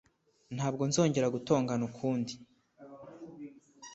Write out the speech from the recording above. Ntabwo nzongera gutongana ukundi